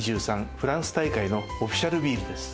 フランス大会のオフィシャルビールです。